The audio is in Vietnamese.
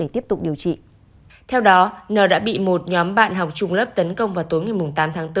theo đó n đã bị một nhóm bạn học trung lớp tấn công vào tối ngày tám tháng bốn